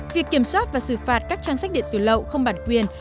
việc kiểm soát và xử phạt các trang sách điện tử lậu không bản quyền